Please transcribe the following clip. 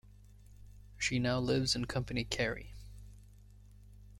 She now lives in Company Kerry.